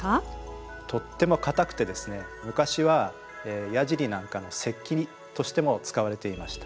とっても硬くてですね昔はやじりなんかの石器としても使われていました。